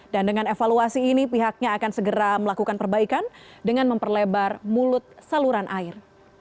dan dengan evaluasi ini pihaknya akan segera melakukan perbaikan dengan memperlebar mulut saluran air